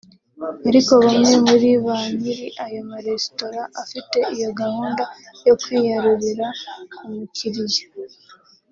Ariko bamwe muri ba nyiri ayo maresitora afite iyo gahunda yo kwiyarurira ku mu kiriya